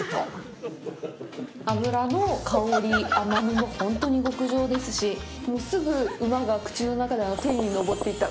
脂の香り、甘みも、本当に極上ですし、すぐ馬が口の中で天にのぼっていった。